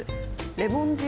レモン汁、